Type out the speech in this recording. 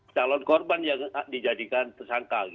calon korban yang dijadikan tersangka